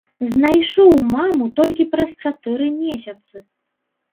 Знайшоў маму толькі праз чатыры месяцы.